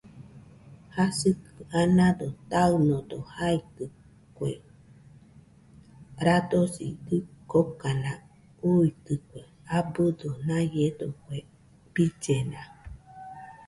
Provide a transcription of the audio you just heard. Jasikɨ anado taɨnodo jaitɨkue , radosi dɨkokana uuitɨkue abɨdo naiedo kue billena